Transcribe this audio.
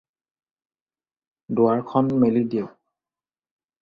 দুৱাৰখন মেলি দিয়ক।